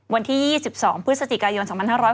วันที่๒๒พฤศจิกายน๒๕๖๐